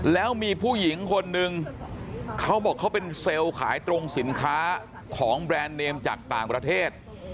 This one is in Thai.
แล้วมีผู้หญิงคนนึงเขาบอกเขาเป็นเซลล์ขายตรงสินค้าของแบรนด์เนมจากต่างประเทศ